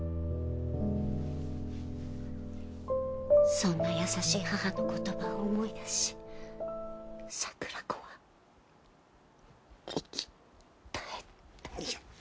そんな優しい母の言葉を思い出し桜子は息絶えた。